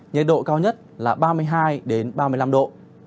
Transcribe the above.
nhiệt độ cao nhất là ba mươi hai ba mươi năm độ